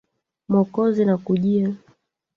Mwokozi, nakujia.